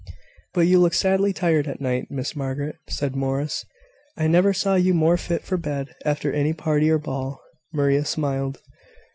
"But you looked sadly tired at night, Miss Margaret," said Morris. "I never saw you more fit for bed after any party or ball." Maria smiled.